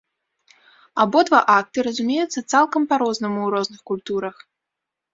Абодва акты разумеюцца цалкам па-рознаму ў розных культурах.